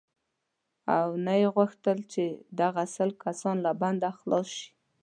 او نه یې غوښتل چې دغه سل کسان له بنده خلاص شي.